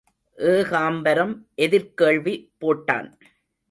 ஏகாம்பரம் எதிர்க் கேள்வி போட்டான்.